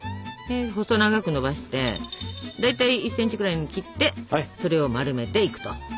細長くのばしてだいたい１ｃｍぐらいに切ってそれを丸めていくと。